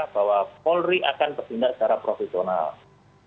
bahwa polri akan bertindak secara profesional